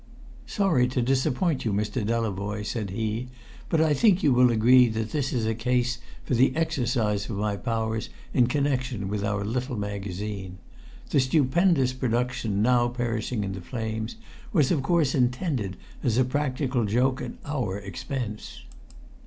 "Sorry to disappoint you, Mr. Delavoye," said he; "but I think you will agree that this is a case for the exercise of my powers in connection with our little magazine. The stupendous production now perishing in the flames was of course intended as a practical joke at our expense."